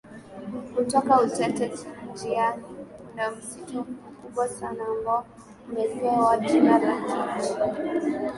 Kutoka Utete njiani kuna msitu mkubwa sana ambao umepewa jina la Kichi